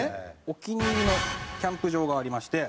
お気に入りのキャンプ場がありまして。